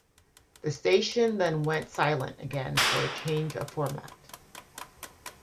The station then went silent again for a change of format.